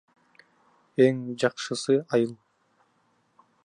Эң жакшысы — айыл.